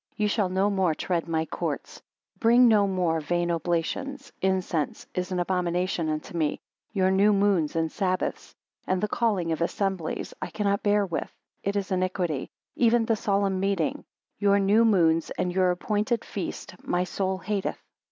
Ye shall no more tread my courts. 7 Bring no more vain oblations, incense is an abomination unto me your new moons and sabbaths, and the calling of assemblies I cannot bear with, it is iniquity, even the solemn meeting; your new moons and your appointed feasts my soul hateth.